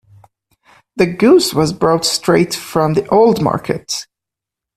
The goose was brought straight from the old market.